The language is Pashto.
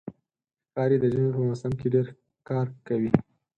ښکاري د ژمي په موسم کې ډېر ښکار کوي.